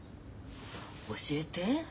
教えて。